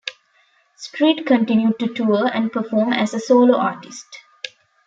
Street continued to tour and perform as a solo artist.